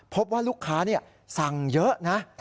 พบว่าลูกค้าสั่งเยอะนะ